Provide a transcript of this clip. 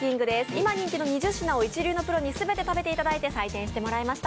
今人気の２０品を一流のプロに全て食べていただいて採点してもらいました。